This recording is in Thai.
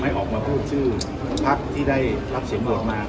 ไม่ออกมาพูดชื่อพรรคที่ได้รับเสียงเหลืองมาก